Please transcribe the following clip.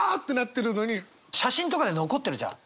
写真とかで残ってるじゃん。